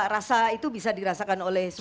rasa itu bisa dirasakan oleh